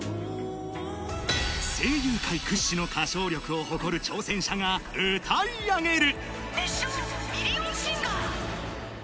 声優界屈指の歌唱力を誇る挑戦者が歌い上げる。